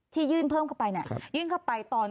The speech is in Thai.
ยื่นเพิ่มเข้าไปยื่นเข้าไปตอน